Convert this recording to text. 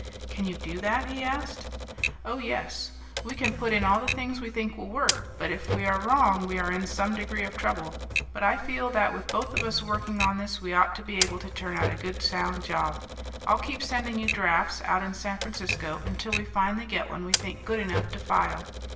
"Can you do that?" he asked. "Oh, yes. We can put in all the things we think will work, but if we are wrong we are in some degree of trouble. But I feel that with both of us working on this we ought to be able to turn out a good sound job. I'll keep sending you drafts out in San Francisco until we finally get one we think good enough to file.